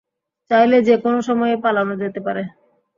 চাইলে যেকোনো সময়েই পালানো যেতে পারে।